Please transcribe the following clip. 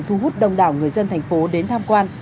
thu hút đông đảo người dân thành phố đến tham quan